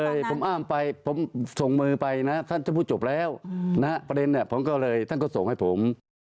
ผมอ้ามไปผมส่งมือไปนะท่านจะพูดจบแล้วนะประเด็นเนี่ยผมก็เลยท่านก็ส่งให้ผม